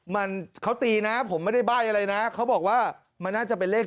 มันเขาตีนะผมไม่ได้ใบ้อะไรนะเขาบอกว่ามันน่าจะเป็นเลข